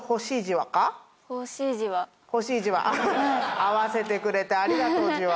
合わせてくれてありがとうじわ。